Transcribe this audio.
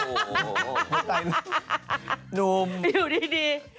หนุ่มอยู่ดี